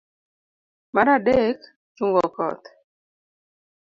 mar adek. chung'o koth